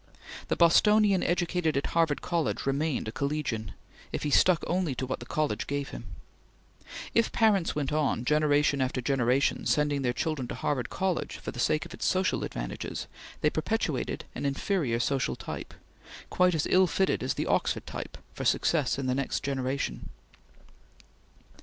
The Bostonian educated at Harvard College remained a collegian, if he stuck only to what the college gave him. If parents went on generation after generation, sending their children to Harvard College for the sake of its social advantages, they perpetuated an inferior social type, quite as ill fitted as the Oxford type for success in the next generation.